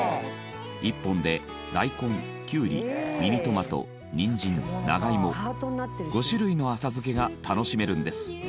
１本で大根きゅうりミニトマトにんじん長芋５種類の浅漬けが楽しめるんです。